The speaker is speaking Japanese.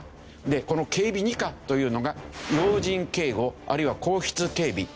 この警備２課というのが要人警護あるいは皇室警備。